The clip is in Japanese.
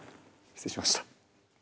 失礼しました。